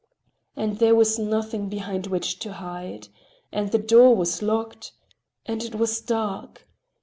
And there was nothing behind which to hide. And the door was locked. And it was dark.